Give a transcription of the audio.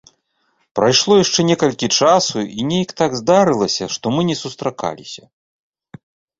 Прайшло яшчэ некалькі часу, і нейк так здарылася, што мы не сустракаліся.